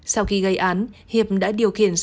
sau khi gây án hiệp đã điều khiển sửa